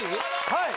はい。